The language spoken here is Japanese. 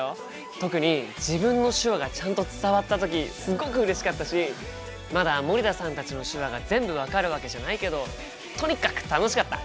特に自分の手話がちゃんと伝わった時すごくうれしかったしまだ森田さんたちの手話が全部分かるわけじゃないけどとにかく楽しかった！